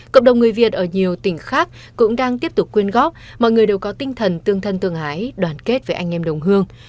cộng đồng người việt ở nhiều tỉnh khác cũng đang tiếp tục quyên góp mọi người đều có tinh thần tương thân tương ái đoàn kết với anh em đồng hương